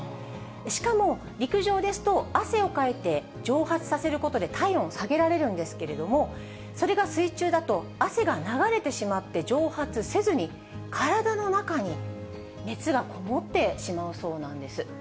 しかも、陸上ですと、汗をかいて蒸発させることで体温を下げられるんですけれども、それが水中だと、汗が流れてしまって蒸発せずに、体の中に熱が籠もってしまうそうなんです。